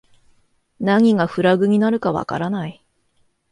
何がフラグになるかわからない